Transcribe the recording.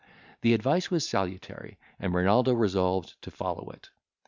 The advice was salutary, and Renaldo resolved to follow it.